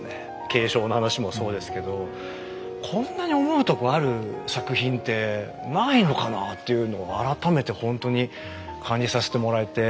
継承の話もそうですけどこんなに思うとこある作品ってないのかなあっていうのを改めてほんとに感じさせてもらえて。